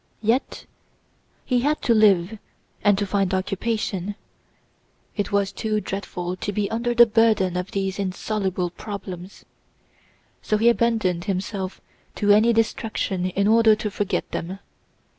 Yet he had to live and to find occupation. It was too dreadful to be under the burden of these insoluble problems, so he abandoned himself to any distraction in order to forget them.